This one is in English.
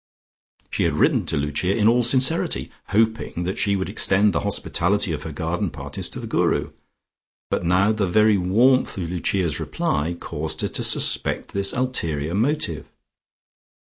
She had written to Lucia in all sincerity, hoping that she would extend the hospitality of her garden parties to the Guru, but now the very warmth of Lucia's reply caused her to suspect this ulterior motive.